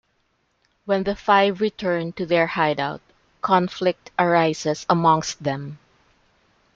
When the Five return to their hideout conflict arises amongst them.